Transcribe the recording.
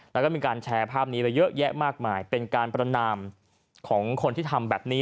แล้วก็มีการแชร์ภาพนี้ไว้เยอะแยะมากมายเป็นการประนามของคนที่ทำแบบนี้